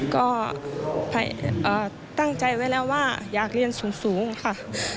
ก็ตั้งใจไว้แล้วว่าอยากเรียนสูงค่ะ